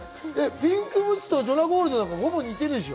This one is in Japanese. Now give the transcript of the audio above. ピンクむつとジョナゴールドってほぼ似てるでしょ？